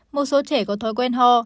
một số trẻ có thói quen hò